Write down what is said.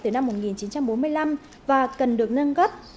từ năm một nghìn chín trăm bốn mươi năm và cần được nâng cấp